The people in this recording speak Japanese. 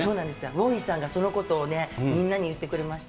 ウォーリーさんがそのことをみんなに言ってくれました。